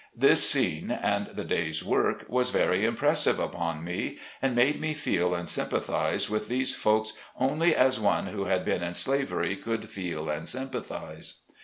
This scene, and the day's work, was very impressive upon me, and made me feel and sympa thize with these folks only as one who had been in slavery, could feel and sympathize.